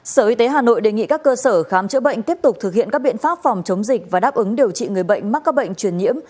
sở y tế hà nội đề nghị các cơ sở khám chữa bệnh tiếp tục thực hiện các biện pháp phòng chống dịch và đáp ứng điều trị người bệnh mắc các bệnh truyền nhiễm